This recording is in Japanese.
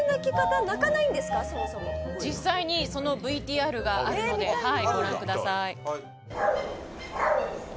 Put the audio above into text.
そもそも実際にそのＶＴＲがあるのではいご覧ください